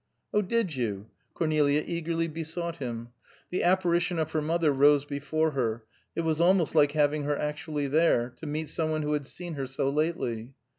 "Oh, did you?" Cornelia eagerly besought him. The apparition of her mother rose before her; it was almost like having her actually there, to meet some one who had seen her so lately.